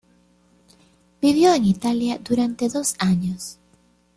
Vivió en Italia durante dos años.